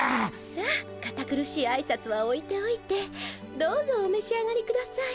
さあ堅苦しいあいさつはおいておいてどうぞお召し上がりください。